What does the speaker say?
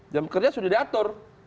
jam kerja sudah diatur